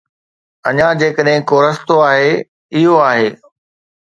اڃا، جيڪڏهن ڪو رستو آهي، اهو آهي.